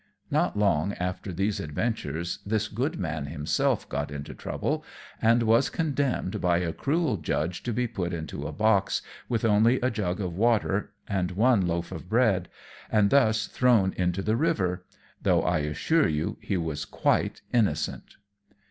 Not long after these adventures this good man himself got into trouble, and was condemned by a cruel judge to be put into a box with only a jug of water and one loaf of bread, and thus thrown into the river, though I assure you he was quite innocent.